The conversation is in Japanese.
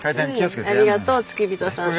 ありがとう付き人さん。